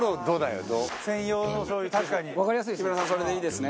それでいいですね？